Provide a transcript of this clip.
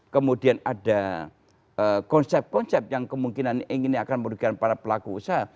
kemudian ada konsep konsep yang kemungkinan ingin akan merugikan para pelaku usaha